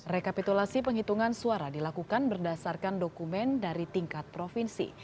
rekapitulasi penghitungan suara dilakukan berdasarkan dokumen dari tingkat provinsi